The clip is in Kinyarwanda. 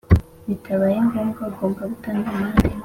bitabaye ngombwa ugomba gutanga amande